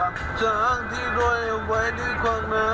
ดับจังที่รวยไว้ในกล้องน้ำ